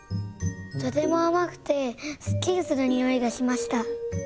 とてもあまくてすっきりするにおいがしました。